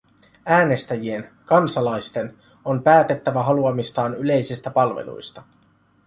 Äänestäjien, kansalaisten, on päätettävä haluamistaan yleisistä palveluista.